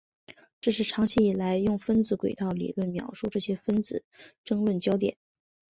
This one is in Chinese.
这是长期以来用分子轨道理论描述这些分子的争论焦点。